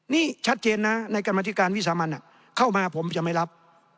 นี่ชัดเจนนะในกรรมธิการวิสามันเข้ามาผมจะไม่รับ